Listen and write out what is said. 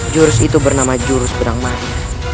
jurus itu bernama jurus pedang maya